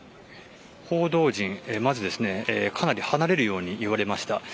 報道陣、まずかなり離れるように言われました。